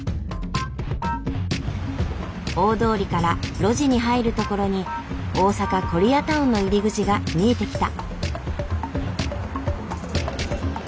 大通りから路地に入る所に大阪コリアタウンの入り口が見えてきた。